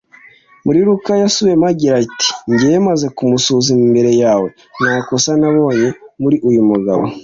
Muri Luka yasubiwemo agira ati: "Njyewe, maze kumusuzuma imbere yawe, nta kosa nabonye muri uyu mugabo."